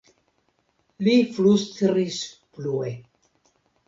Li flustris plue.